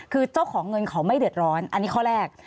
คือเจ้าของเงินเขาไม่เดือดร้อนอันนี้ข้อแรก